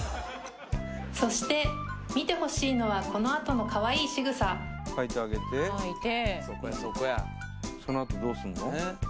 そして見てほしいのはこのあとのかわいい仕草かいてあげてかいてそこやそこやそのあとどうすんの？